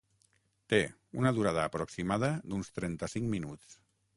Té una durada aproximada d'uns trenta-cinc minuts.